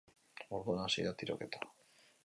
Orduan hasi da tiroketa.